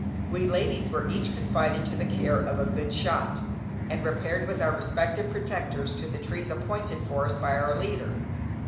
We ladies were each confided to the care of a good shot, and repaired with our respective protectors to the trees appointed for us by our leader.